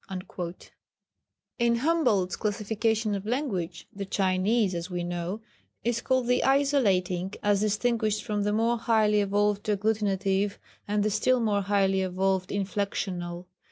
" In Humboldt's classification of language, the Chinese, as we know, is called the isolating as distinguished from the more highly evolved agglutinative, and the still more highly evolved inflectional.